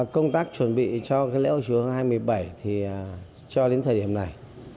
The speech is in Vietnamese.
công tác chuẩn bị cho cái lễ hội chùa hương hai mươi bảy thì cho đến thời điểm này